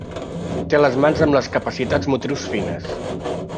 Té les mans amb les capacitats motrius fines.